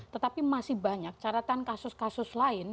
tetapi masih banyak caratan kasus kasus lain